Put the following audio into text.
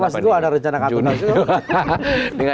masih gua ada rencana katanya